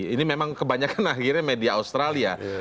ini memang kebanyakan akhirnya media australia